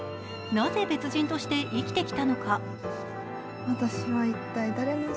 なぜ、別人として生きてきたのか。